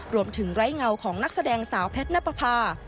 รวมถึงไร้เงาของนักแสดงสาวแพทนปภา